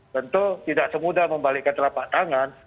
tentu tidak semudah membalikkan telapak tangan